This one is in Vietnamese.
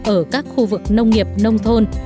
ở các khu vực nông nghiệp nông thôn